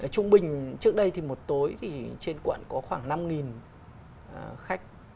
trung bình trước đây thì một tối thì trên quận có khoảng năm khách